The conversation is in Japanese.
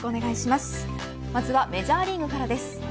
まずはメジャーリーグからです。